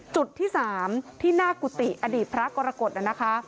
จุดที่๓ที่หน้ากุฏิอดีตพระกรกฎนะคะ